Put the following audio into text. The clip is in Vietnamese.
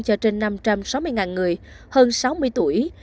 cho trên năm trăm sáu mươi người hơn sáu mươi tuổi